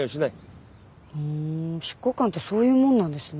ふーん執行官ってそういうもんなんですね。